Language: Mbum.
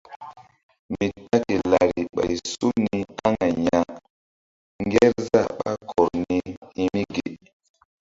Mi ta ke lari ɓay so ni aŋay ya ngerzah ɓá kɔr ni hi̧ mi ge.